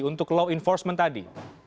untuk law enforcement tadi